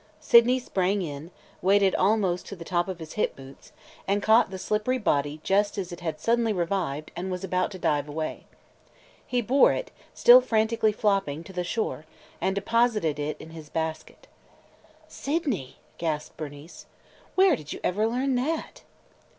Sydney sprang in, waded almost to the top of his hip boots, and caught the slippery body just as it had suddenly revived and was about to dive away. He bore it, still frantically flopping, to the shore and deposited it in his basket. "Sydney!" gasped Bernice. "Where did you ever learn that?"